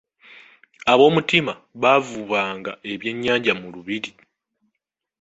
Aboomutima baavubanga ebyennyanja mu lubiri.